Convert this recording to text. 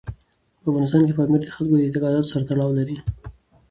په افغانستان کې پامیر د خلکو د اعتقاداتو سره تړاو لري.